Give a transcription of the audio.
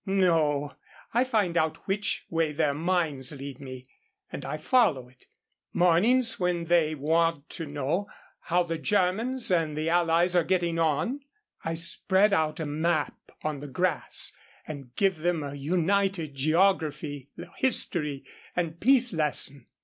No, I find out which way their minds lead me, and I follow it. Mornings when they want to know how the Germans and the Allies are getting on, I spread out a map on the grass and give them a united geography, history and peace lesson."